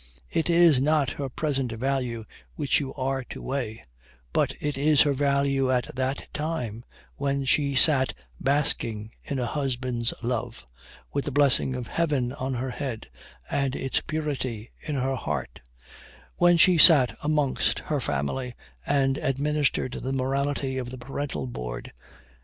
It is not her present value which you are to weigh; but it is her value at that time when she sat basking in a husband's love, with the blessing of Heaven on her head, and its purity in her heart; when she sat amongst her family, and administered the morality of the parental board.